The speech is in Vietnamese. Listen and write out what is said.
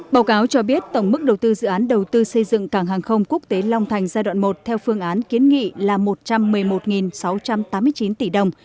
báo cáo cho biết tổng mức đầu tư dự án đầu tư xây dựng cảng hàng không quốc tế long thành giai đoạn một theo phương án kiến nghị là một trăm một mươi một sáu trăm tám mươi chín tỷ đồng